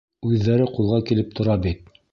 Үҙҙәре ҡулға килеп тора бит!